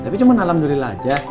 tapi cuma alhamdulillah aja